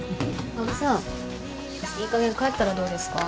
あのさいいかげん帰ったらどうですか？